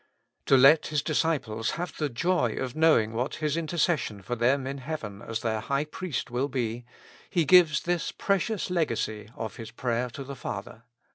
To let His disciples have the joy of knowing what His interces sion for them in heaven as their High Priest will be, He gives this precious legacy of His prayer to the Father.